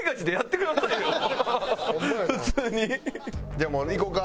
じゃあもういこうか。